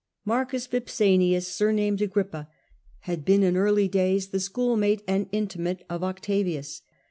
Marcus Vipsanius, surnamed Agrippa, had been in early days the schoolfellow and intimate of Octavius.